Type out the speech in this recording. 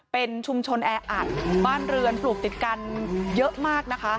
เป็นชุมชนแออัดบ้านเรือนปลูกติดกันเยอะมากนะคะ